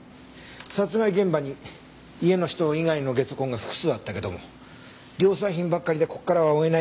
殺害現場に家の人以外のゲソ痕が複数あったけども量産品ばっかりでここからは追えない。